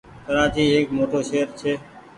ڪرآچي ايڪ موٽو شهر ڇي۔